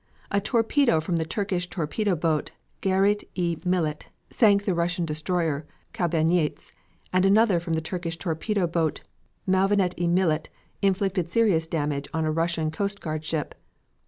A torpedo from the Turkish torpedo boat Gairet i Millet sank the Russian destroyer Koubanietz, and another from the Turkish torpedo boat Mouavenet i Millet inflicted serious damage on a Russian coast guard ship.